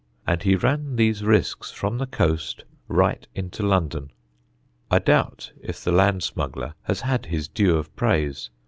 And he ran these risks from the coast right into London. I doubt if the land smuggler has had his due of praise.